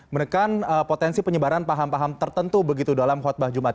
menekan potensi penyebaran paham paham tertentu begitu dalam khutbah jumat